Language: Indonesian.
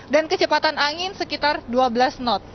dan kecepatan angin sekitar dua belas knot